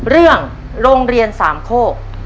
เรื่องโรงเรียนสามโคก